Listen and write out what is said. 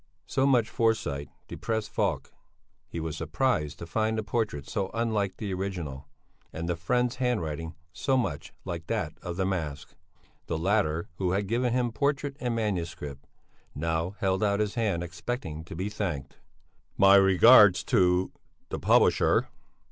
So much foresight depressed Falk; he was surprised to find the portrait so unlike the original, and the friend's handwriting so much like that of the mask. The latter, who had given him portrait and manuscript, now held out his hand expecting to be thanked. "My regards to the publisher."